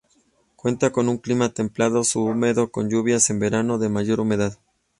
Cuenta con un clima templado subhúmedo con lluvias en verano, de mayor humedad.